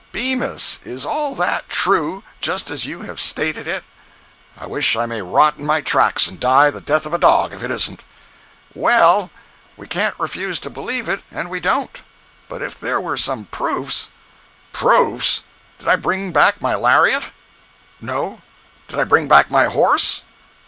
"Bemis, is all that true, just as you have stated it?" "I wish I may rot in my tracks and die the death of a dog if it isn't." "Well, we can't refuse to believe it, and we don't. But if there were some proofs—" "Proofs! Did I bring back my lariat?" "No." "Did I bring back my horse?"